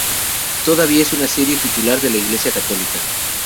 Todavía es una sede titular de la Iglesia católica.